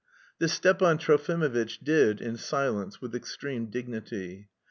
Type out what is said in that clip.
This Stepan Trofimovitch did, in silence, with extreme dignity.